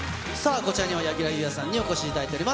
こちらには柳楽優弥さんにお越しいただいております。